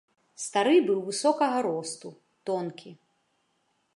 Стары быў высокага росту, тонкі.